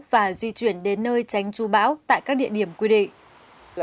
và di chuyển đến nơi tránh chú bão tại các địa điểm quy định